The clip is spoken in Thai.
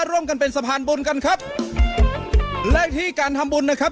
ร่วมกันเป็นสะพานบุญกันครับและที่การทำบุญนะครับ